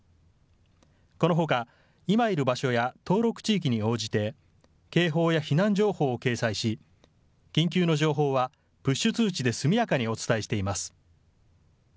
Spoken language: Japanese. このほか、今いる場所や登録地域に応じて、警報や避難情報を掲載し、緊急の情報はプッシュ通知で速やかにお伝えしています。